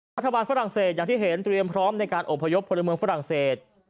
รัฐบาลฝรั่งเศสอย่างที่เห็นเตรียมพร้อมในการอบพยพพลเมืองฝรั่งเศส